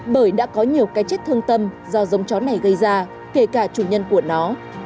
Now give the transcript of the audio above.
bởi đã có nhiều cái chết thương tâm do giống chó này gây ra kể cả chủ nhân của nó